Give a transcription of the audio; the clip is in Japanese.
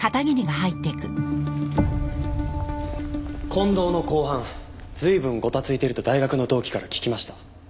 近藤の公判随分ごたついてると大学の同期から聞きました。